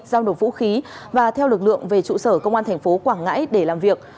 giao đột vũ khí và theo lực lượng về trụ sở công an tp quảng ngãi để làm việc